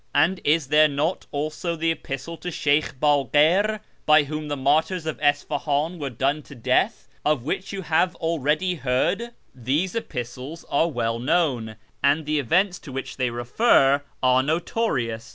And is there not also the epistle to Sheykh Btikir, by whom the martyrs of Isfahan were done to death, of which you have already heard ? These epistles are well known, and the events to which they refer are notorious.